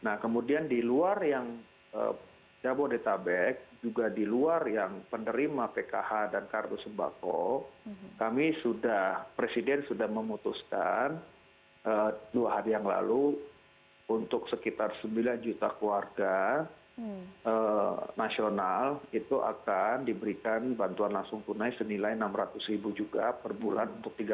nah kemudian di luar yang jabodetabek juga di luar yang penerima pkh dan kartu sembako kami sudah presiden sudah memutuskan dua hari yang lalu untuk sekitar sembilan juta keluarga nasional itu akan diberikan bantuan langsung tunai senilai rp enam ratus juga per bulan untuk tiga bulan